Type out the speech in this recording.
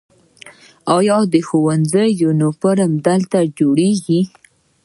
آیا د ښوونځي یونیفورم دلته جوړیږي؟